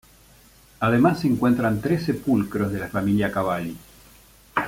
Además se encuentran tres sepulcros de la familia Cavalli.